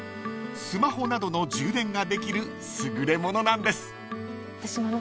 ［スマホなどの充電ができる優れものなんです］